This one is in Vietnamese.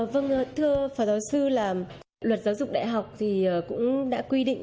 vâng thưa phó giáo sư là luật giáo dục đại học thì cũng đã quy định